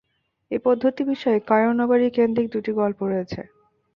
এই পদ্ধতি বিষয়ে কায়রো নগরী কেন্দ্রিক দুটি গল্প রয়েছে।